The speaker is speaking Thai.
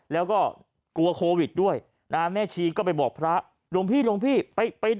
แล้วก็กลัวโควิดด้วยนะฮะแม่ชีก็ไปบอกพระหลวงพี่หลวงพี่ไปไป